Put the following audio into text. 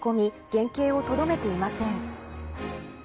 原型をとどめていません。